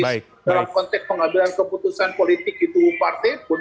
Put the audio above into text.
dalam konteks pengadilan keputusan politik itu partaipun